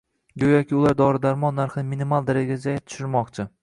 Go'yoki ular dori -darmon narxini minimal darajaga tushirmoqchi